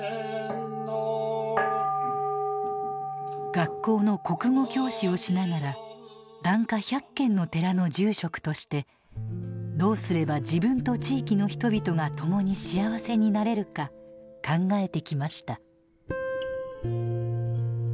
学校の国語教師をしながら檀家１００軒の寺の住職としてどうすれば自分と地域の人々が共に幸せになれるか考えてきました。